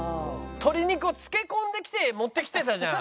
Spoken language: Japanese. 鶏肉を漬け込んできて持ってきてたじゃん。